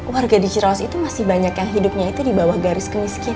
warga di cirawas itu masih banyak yang hidupnya itu di bawah garis kemiskinan